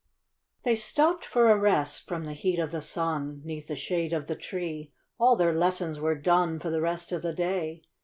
mHEY stopped for a rest from the heat of the sun, J 'Neath the shade of the tree; all their lessons were done For the rest of the day.